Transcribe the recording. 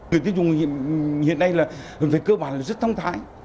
người tiêu dùng hiện nay là về cơ bản là rất thông thái